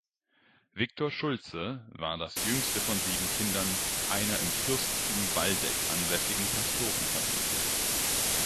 Victor Schultze war das jüngste von sieben Kindern einer im Fürstentum Waldeck ansässigen Pastorenfamilie.